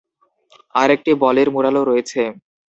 আরেকটি বলির ম্যুরালও রয়েছে।